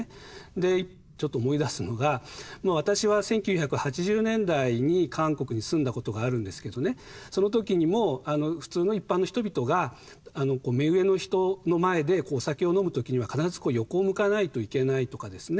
でちょっと思い出すのが私は１９８０年代に韓国に住んだことがあるんですけどねその時にも普通の一般の人々が目上の人の前でお酒を飲む時には必ず横を向かないといけないとかですね